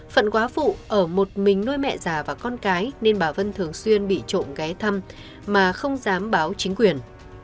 phận quá phụ ở một mình nuôi mẹ già và con cái nên bà vân thường xuyên bị trộn ghé thăm mà không dám báo chính quyền